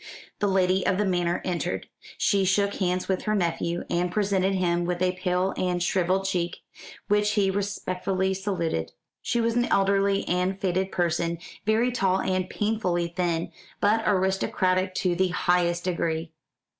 The lady of the manor entered. She shook hands with her nephew, and presented him with a pale and shrivelled cheek, which he respectfully saluted. She was an elderly and faded person, very tall and painfully thin, but aristocratic to the highest degree.